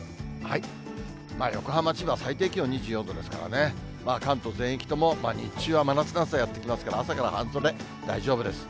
横浜、千葉、最低気温２４度ですからね、関東全域とも、日中は真夏の暑さやって来ますから、朝から半袖、大丈夫です。